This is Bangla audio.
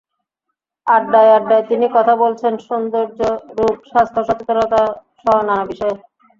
আড্ডায় আড্ডায় তিনি কথা বলেছেন সৌন্দর্য, রূপ, স্বাস্থ্য সচেতনতাসহ নানা বিষয়ে।